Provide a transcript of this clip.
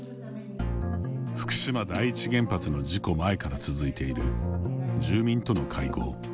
福島第一原発の事故前から続いている住民との会合。